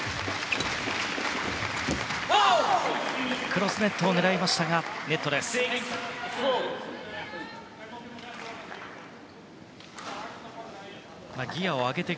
クロスネットを狙いましたがネットでした。